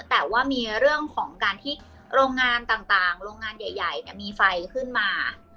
แต่ว่ามีเรื่องของการที่โรงงานต่างโรงงานใหญ่มีไฟขึ้นมา